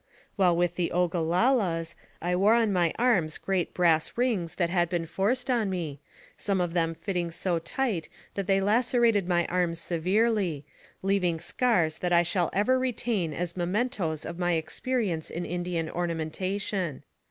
While with the Ogalallas, I wore on my arms great brass rings that had been forced on me, some of them fitting so tight that they lacerated my arms severely, leaving scars that I shall ever retain as mementos of my experience in Indian ornamentation.